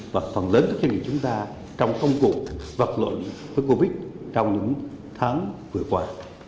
và phần lớn của chương trình chúng ta trong công cụ vật lộn với covid trong những tháng vừa qua